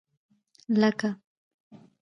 لکه.